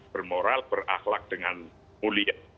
bermoral berakhlak dengan mulia